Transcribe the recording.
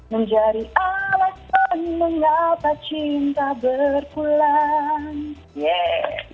menjadi alasan mengapa cinta berpulang